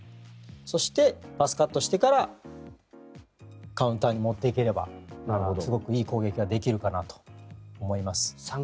そして、パスカットしてからカウンターに持っていければすごくいい攻撃ができるかなと思います。